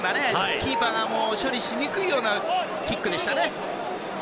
キーパーも処理しにくいようなキックでしたね。